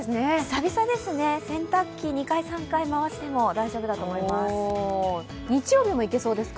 久々ですね、洗濯機、２回、３回回しても大丈夫だと思います。